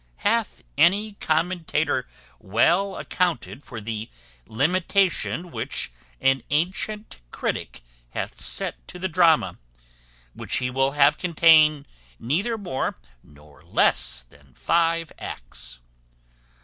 Hath any commentator well accounted for the limitation which an antient critic hath set to the drama, which he will have contain neither more nor less than five acts?